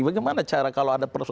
bagaimana cara kalau ada